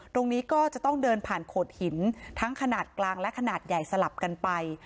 ตรงนี้ก็จะต้องเดินผ่านโขดหินทั้งขนาดกลางและขนาดใหญ่สลับกันไป